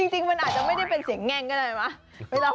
จริงมันอาจจะไม่ได้เป็นเสียงแง่งก็ได้มั้ย